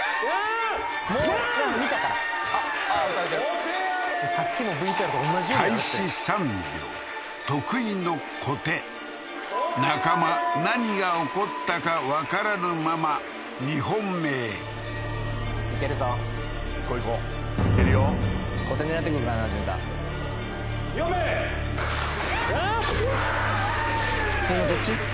小手あり開始３秒得意の小手中間何が起こったかわからぬまま２本目へいけるぞいこういこういけるよ小手狙ってくるからな淳太２本目ヤー！面！